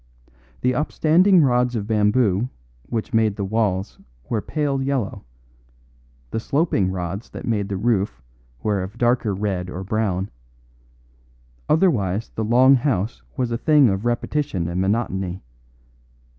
The upstanding rods of bamboo which made the walls were pale yellow, the sloping rods that made the roof were of darker red or brown, otherwise the long house was a thing of repetition and monotony.